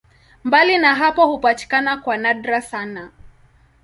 Mbali na hapo hupatikana kwa nadra sana.